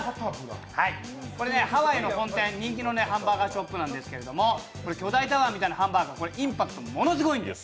これね、ハワイの本当に人気のハンバーガーショップなんですけど巨大タワーみたいなハンバーガーインパクトものすごいんです。